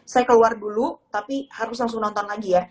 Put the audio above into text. saya keluar dulu tapi harus langsung nonton lagi ya